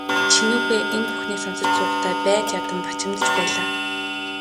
Чинүүхэй энэ бүхнийг сонсож суухдаа байж ядан бачимдаж байлаа.